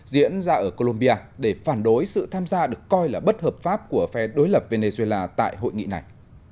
diễn ra ở colombia để phản đối sự tham gia được coi là bất hợp pháp của phe đối lập venezuela tại hội nghị này